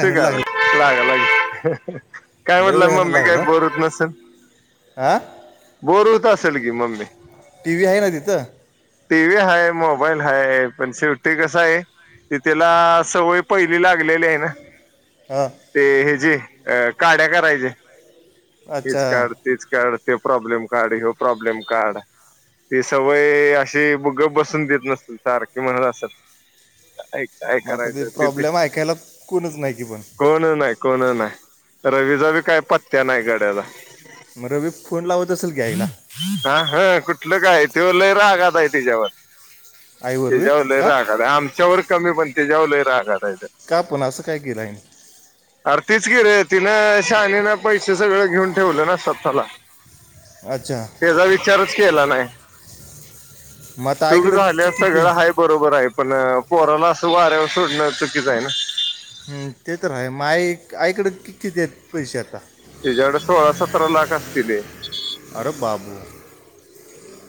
ते व्यायानं का लागला लाग लागे हह हाह काय लय म्हटलं मग व्यायानं मी लागला काही बोर होत नसेल हा बोर होत अस चालगी मम्मी. टी व्ही आहे ना तिथं? टी व्ही हाय मोबाईल हाय पण शेवटी कस आहे. त त्याला सवय पहिली लागलेली आहे ना. हा ते हे जे अ काड्या करायचे अच्छा तीच काढ, तीच काढ, त्यो प्रॉब्लेम काढ, ह्यो प्रॉब्लेम काढ ती, सवय अशी गप बसून देत नसतील सारखे म्हणत असाल काय मग आता ते करायचं तिथे? प्रॉब्लेम ऐकायला कोणच नाही की पण कोण नाही, कोण नाही, रवीचा बी काही पत्त्या नाही गड्याला मग रवी फोन लावत असेल की आईला. हा हा कुठलं काय तो लय रागातय तिच्यावर आईवर वे त्याच्यावर लय का रागात, आमच्यावर कमी पण त्याच्यावर लय रागालाय. का पण असं काय केलं आईने अर, तीच कि रे. तिनं शाहाणीन पैसे सगळं घेऊन ठेवले ना स्वतःला. अच्छा त्याचा विचारच केला नाय. मग आता तुग आईकडं कि झाले किती सगळं आहे बरोबर आहे पण कोरोना असं वाऱ्यावर सोडणं चुकीच आहे ना. हम्म, ते तर आहे माई आईकड कितीत ए पैसे आता? तीच्याकडे सोळा सतरा लाख असतीलय. अरे बाबू! ! हम्म.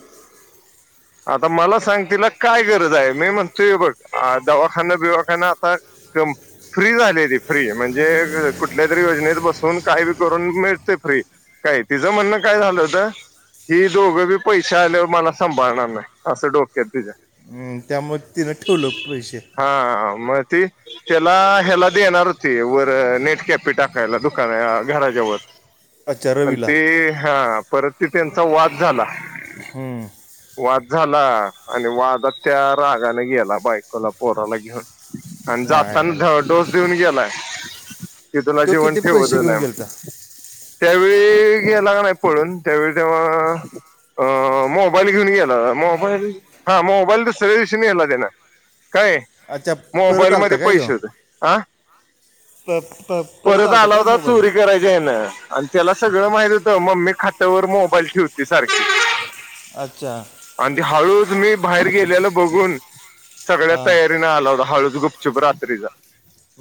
आता मला सांग, तिला काय गरज आहे? मी म्हणतोय बघ दवाखाना बिवाखाना आता फ्री झाली ती फ्री म्हणजे कुठल्या तरी योजनेत बसून काय बी करून मिळतय फ्री, काय तिच म्हणण काय झालं होत, ही दोघं बी पैसे आल्यावर मला सांभाळणार असं डोक्यात तिच्या, हम्म, त्यामुळे तिनं ठेवलं पैसे हा मग ते त्याला ह्याला देणार होती वर नेट कॅपी टाकायला दुकान घराच्यावर अच्छा पण रवीला ते, हा परत ते त्यांचा वाद झाला. हम्म, वाद झाला आणि वादात त्या रागने गेला बायकोला पोराला घेऊन. आणि आईला जाताना डोस देऊन गेलाय कि तुला तो जीवन किती पैसे ठेवतच घेऊन नाय व गेलता त्यावेळी गेला नाय का पडून त्यावेळी तेव्हा अ मोबाईल घेऊन गेल मोबाईल, हा मोबईल दुसऱ्या दिवशी नेला तेन. काय अच्छा परत आलता मोबाईलमध्ये काय देवा पैसे होते, ह प- प- परत आलता आला काय होता मोबाईल चोरी कराच्या ह्यान आणि त्याला सगळ सगळं माहित होत मम्मी खात्यावर मोबाईल ठेवते सारखी अच्छा आणि ते हळूच मी बाहेर गेलेल बघून सगळ्या हां तयारीने आला होता हळूच गुपचुप रात्रीचा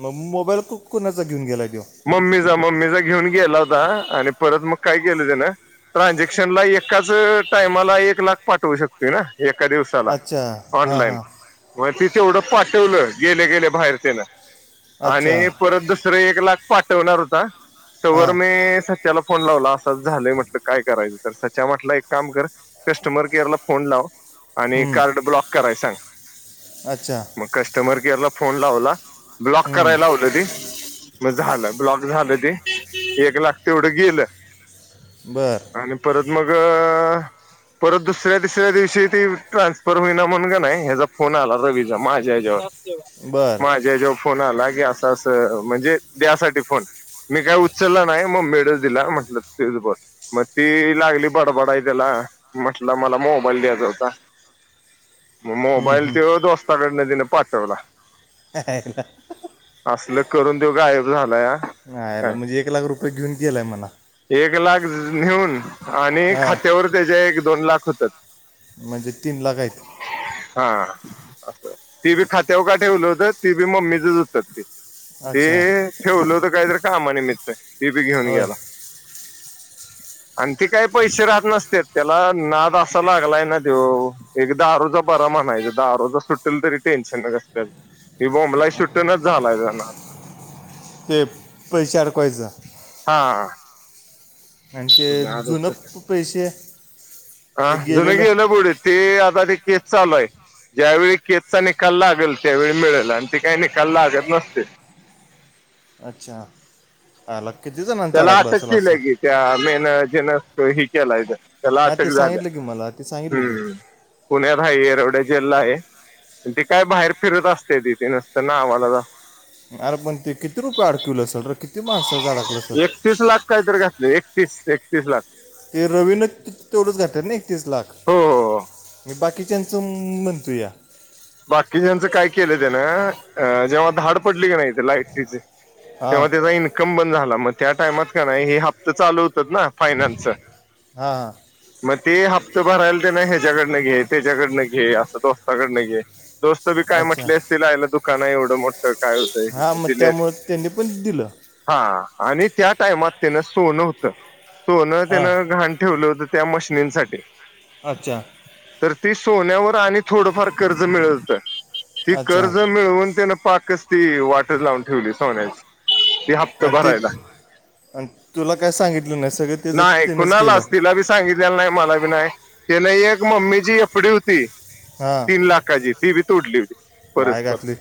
मग मोबाईल कोणाचा घेऊन गेलाय? मम्मीचा, मम्मीचा घेऊन गेला होता आणि परत मग काय केलं त्यानं ट्रानझॅक्शन एकाच टायमाला एक लाख पाठवू शकते ना? एका दिवसाला, अच्छा हां ऑनलाईन हां मग तीच तेवढं पाठवलं, गेले गेले बाहेर तेन अच्छा आणि परत दुसरं एक लाख पाठवणार होता तवर हां मी सच्याला फोन लावला अस झालं म्हटलं काय लावला अस अस झालय काय करायचं? तर सच्या म्हटलं एक काम कर कस्टमर केअरला फोन लाव आणि हं, कारड ब्लॉक करायला सांग, अच्छा मग कस्टमर केअरला फोन लावला, ब्लॉक हं, करायला लावलं ते म झालं, ब्लॉक झालं ते, एक लाग तेवढं गेलं बर आणि परत मग परत दुसऱ्या तिसऱ्या दिवशी ते ट्रान्सफर होईना म्हणुन का नाही ह्याचा फोन आला रवीचा माझ्या यांच्यावर. बर माझे ह्याच्यावर फोन आला की अस अस म्हणजे द्यासाठी फोन मी काय उचललं नाही मम्मीड दिला म्हंटलं तुच बोल, मग ती लागली बडबडाय त्याला म्हटलं मला मोबाईल द्यायचा होता. मग हं, मोबाईल हं. त्यो दोस्ताकडन त्याने पाठवला. [unintelligible] असलं करून तो गायब झालाया. हेच्या आयला म्हणजे एक लाख रुपये घेऊन गेलाय म्हणा. एक लाख नेऊन आणि हां खात्यावर त्याच्या एक दोन लाख होतत. मजे तीन लाख हायत. हा ती बी खात्यावर का ठेवलं होत ती बी मम्मीचच होतात ते अच्छा ते होतं ठेवलं काहीतरी कामा निमित्त ते बी घेऊन होय गेला आणि ते काही पैसे राहत नसत्यात त्याला नाद असा लागलाय ना तो एक दारूचा म्हणायचं दारू जरी सुटेल तरी टेन्शन असत ते बोंबलाय सुटणाच झालाय त्याचा नाद ते पैसे अडकवायचा हा आणि ते जुनं पैसे हा ते जुन गेलेलं गेलं बुडीत ते आता ते केस चालू आहे ज्यावेळी केसचा निकाल लागेल त्यावेळी मिळेल आणि ते काही निकाल लागत नसते ह अच्छा आलं त्याला अटक केलं की त्या मेन जेन ह केलाय त्याला हा अटक ते झाल्या सांगितलं की मला ते सांगितलं की हम्म पुण्यात हाय ये एवढ्या जेलला आहे ते काय बाहेर फिरत असत्यात ती नुसतं नावाला असतय. अरे पण ते किती रुपये अडकिवल असेल र. एकतीस लाख कायतरी घातले एकतीस एकतीस लाख. ते रवीन तेवढच घातलं ना एकतीस लाख हो हो बाकी त्यांचं म्हणतूया. बाकी ज्यांचं काय केलं ते ना अ जेव्हा धाड पडली की नाही ते लाईटीचे हां तेव्हा त्याचा इन्कम बंद झाला मग त्या टाइमात का नाही हे हप्त चालू होतात ना फायनान्स हां हां म ते हप्ता हप्ता भरायला ते नाही ह्याच्याकडनं घे त्याच्याकडनं घे असं दोस्ताकडनं घे दोस्त बी काय अच्छा म्हटलेस तिला आयला दुकान आहे एवढं मोठं काय हां होतंय मग दिलेली त्यामुळं त्यांनी पण दिलं हा आणि त्यात टायमात त्यानं सोनं होतं सोनं हां त्यानं घाण ठेवलं होतं त्या मशिनींसाठी अच्छा सोन्यावर आणि थोडंफार कर्ज मिळत ती अच्छा कर्ज मिळवून त्यान पाक ती वाटे लावून ठेवली सोन्याची ती हप्त आणि ते भरायला आणि तुला काय सांगितलं नाही सगळं त्याचं नाही त्यानंच केलं कुणालाच तिला बी सांगितलेलं नाही मला बी नाही ते नाही एक मम्मीची एफडी होती हा तीन लाखाची ती तोडली आय परस्पर घातली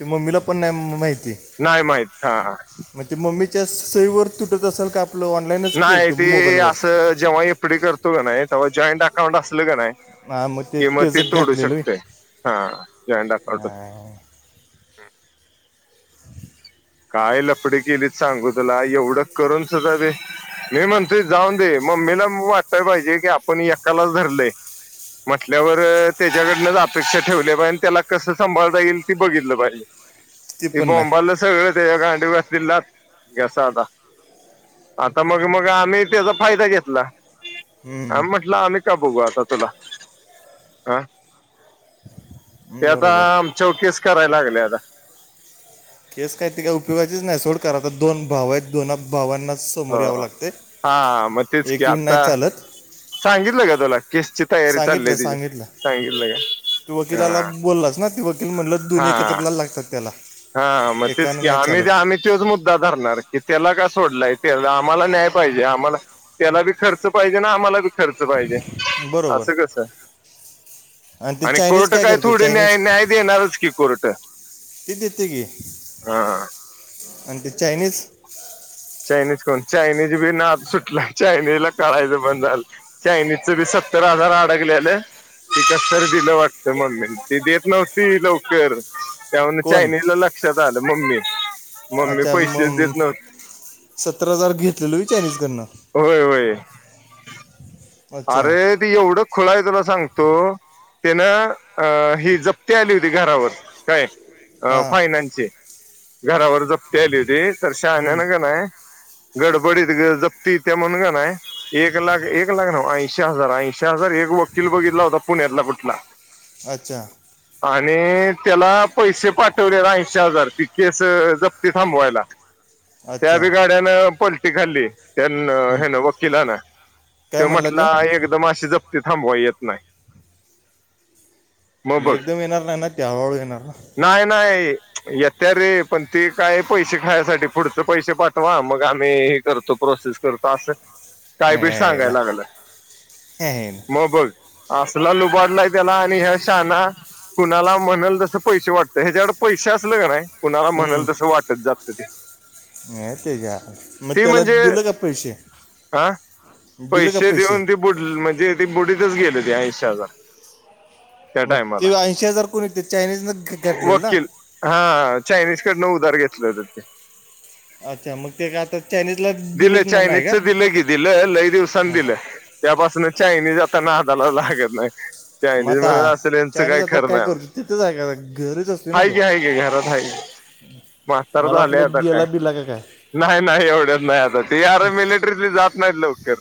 त मम्मीला पण नाही माहिती नाही माहित हा हा मग मम्मी त्या सुरीवर तुटत असाल काप नाही ती असं जेव्हा एफडी करतो का नाही तेव्हा जॉईंट अकाउंट असल का नाही हा मग ते किं म तेच ती तोडू घातलेलं होय. शकते हा जॉईंट अकाउंट हा, हम आणि काय लपडी केलीत सांगू तुला एवढं करून सुद्धा ते मी म्हणते जाऊन दे मग मम्मीला वाटाय पाहिजे की आपण एकालाच धरलेय म्हटल्यावर त्याच्याकडनंच अपेक्षा ठेवल्या पाहिज आणि त्याला कसं सभाळता येईल ते बघितलं पाहिजे ते पण नाही बोंबल सगळंच गांडिव घातली लाथ की असं आला आता मग मग आम्ही त्याचा फायदा घेतला हम्म, आम्ही म्हटलं आमी का बघू आता तुला हा ते हम्म, आता बरोबर आमच्याव केस कराय लागलय आता केस काय ते काय उपयोगाचीच नाही सोड कारण आता दोन भाव आहेत दोन भावांना समोर याव हो लागतय हा मग तेच की एक येऊन नाही आता चालत सांगितलं का तुला केसची तयारी चाललीय सांगितलं तिची सांगितलं सांगितलं तू का वकिलाला हा बोललास ना ते वकील म्हणलं दोन्ही हा एकत्रला लागतात त्याला हा मग तेच की एकानं नाही आम्ही का आम्ही चालत तोच मुद्दा धरणार की त्याला कस सोडलाय त्या आम्हाला न्याय पाहिजे आम्हाला त्याला बी खर्च पाहिजे न आम्हाला बी खर्च पाहिजे. बरोबर असं कसं ते आणि चायनीज कोर्ट काय करते थोडी न्याय चायनीज न्याय देणारच की कोर्ट गी हा आणि ते चायनीज चायनीज चायनीज बी नाद सुटला चायनीज ला कळायचं बंद झालं चायनीज च बी सत्तर हजार अडकल्याल ती कसतर दिलं वाटत मम्मी ती देत नव्हती लवकर त्यामुळ कोण चायनीज ला लक्षात आलं मम्मी मम्मी पैशेच देत नव्हती. सत्तर हजार घेतलेल होय चायनीज कडण. होय होय अरे ती एवढं खुळ आहे तुला सांगतो तेन अ ही जप्ती आली होती घरावर काय अ हां फायनान्सची घरावर जप्ती आली होती तर शहाण्यान हम्म, गडबडीत ग जपती येत्या म्हणून कनाय एक लाख एक लाख नव्ह ऐंशी शी हजार ऐंशीहजार एक वकील बघितला होता पुण्यातला कुठला. अच्छा आणि त्याला पैसे पाठवल्यात ऐशीहजार ती केस जप्ती थांबवायला. त्या बी अच्छा गड्यान पलटी खाल्ली त्यांन हं. हे न वकिला न काय त्यो म्हणला म्हंटला एकदम अशीे जप ती थांबवाय येत नाही. म बग एकदम येणार नाही ना ते हळूहळू येणार ना नाही नाही येत्या रे पण ते काय पैसे खायासाठी पुढच पैसे पाठवा मग आम्ही हे करतो प्रोसेस करतो असं कायबी सांगाय यायला लागलय हे ना. म बघ असला लुबाडलाय त्याला आणि ह्या शाना कुणाला म्हणल तसं पैसे वाटतय ह्याजकड पैसे असल कनई कुणाला म्हणल तसं वाटत जातं ते. नाही तेच्या मग ती त्याला म्हणजे दिलं का पैशे हा पैसे देऊन ते बुड म्हणजे ते बुडीतच गेल ते ऐंशी हजार. त्या मग टायमाला ते ऐंशी हजार कोणी ते चायनीजनं घ- घातलेलं ना वकील हा चायनीज कडनं उधार घेतलं होत ते अच्छा मग ते का आता चायनीजला दिलं दिलंच ना- नाही का चायनीजच दिलं की दिलं लई दिवसांनी दिलं त्यापासन चायनीज आता नादालाच लागत नाही मग चायनीज आता म्हणत असल हेंच चायनीज काय आता खर नाय करतो तिथेच आहे का घरीच असते ना हाय त्यो की हाय की घरात हाय मास्तर मला झालंय वाटलं आता काय गेला बिला का काय नाही नाही एवढ्यात नाही आता ती आर मिलिटरीत जात नाहीत लवकर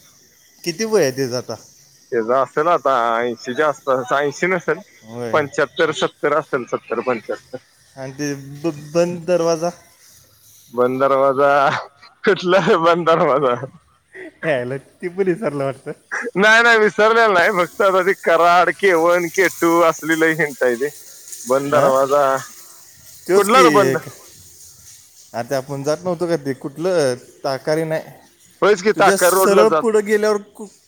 किती वय त्याचं आता ते ज असल आता ऐंशीच्या आस ऐंशी नसल वय पंच्यात्तर, आता सत्तर असल सत्तर, पंच्याहत्तर आणि ते ब बंद दरवाजा बंद दरवाजा कुठला हे बंद दरवाजा यायला ती पण विसरलं वाटतं नाही नाही विसरलेला नाही फक् ते Karad K one K to असली लई हिंट हाय रे बंद हां दरवाजा तोच की कुठला र बंद एक आता आपण जात नव्हतो का ते कुठलं ताकारी नाही होयच की तुझ्या ताकर रोडला सरळ पुढे गेल्यावर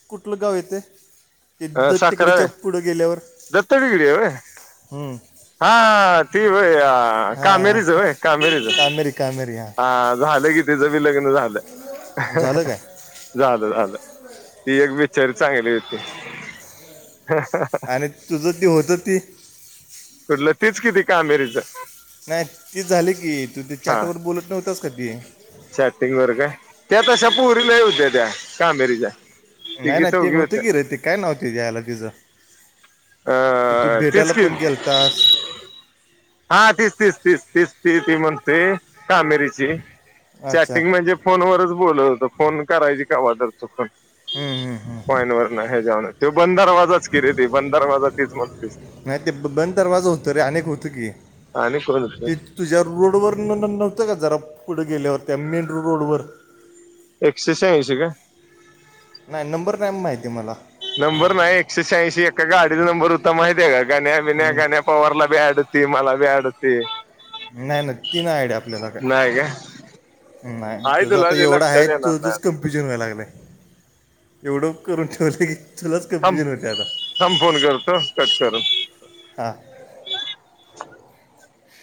कुठलं गाव येते ते अ दत्त तिकडीच्या साखरले पुढं गेल्यावर दत्त बिगडी हम्म, हा त भय ह हा कामेरीचय कामेरीच कामेरी कामेरी हा झालं कीतीच लग झालं झालं झालं ती एक बिचारी चांगली होती आणि तुझं ते होतं ती कुठलं तीच किती कामेरीच नाही ते झाले की तू ते हा चार्टवर बोलत नव्हतास काधी चॅटिंग वर काय त्या तशा पुोरीलाही होद्या त्या कामेरीच्या नाही तिघी नाही ते एक चौघी होतं होत्या की र ते काय नव्हते दयला तिचं ते तू अ तीच भेटायला की पण गेलतास हा तीस तस तीस तस त ती म्हणते कामेरीची अच्छा चॅटिंग म्हणजे फोनवरच बोलत होतो फोन करायची का वाढरतो फण हम्म, हम्म, हम्म. पॉइन वरन हेव ते बंद दरवाजाच केिले त ब दरवाजा तीच म्हणतेस नाही ते ब- बंद दरवाजा होतं रे अनेक होतं की आणि कोण होत ते तुझ्या रोडवर नव्हतं का जरा पुढे गेल्यावर त्या मेन रोडवर एकशे शहाऐंशी का नाही नंबर नाही माहिती आहे मला नंबर नाही एकशे शहाऐंशी एका गाडीचा नंबर उत्तम मा आहे आहे का गाण्या वििन्या हम्म. गाण्या्या पवारला बी अडती मला बी अडवती नाही नाही ती नाही आयडि आपल्याला काय नाही का नाही आहे तुझ तुला आता ते एवढा आहे लक्षात येणार तु तच नाही कम्प्युजन व्हा लागलाय एवढं करून ठेवलं की तुलाच आम कन्फ्युजन होते आता आम फोन करतो कट करून हां [inaudible]